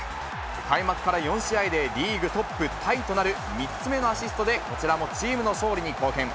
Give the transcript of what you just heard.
開幕から４試合でリーグトップタイとなる、３つ目のアシストでこちらもチームの勝利に貢献。